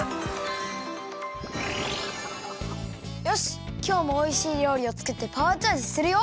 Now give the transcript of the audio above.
よしきょうもおいしいりょうりをつくってパワーチャージするよ！